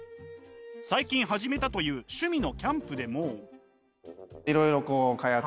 最近始めたという趣味のキャンプでも。